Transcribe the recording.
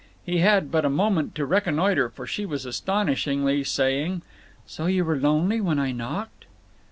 He had but a moment to reconnoiter, for she was astonishingly saying: "So you were lonely when I knocked?"